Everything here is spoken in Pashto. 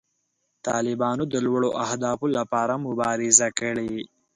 طالبانو د لوړو اهدافو لپاره مبارزه کړې.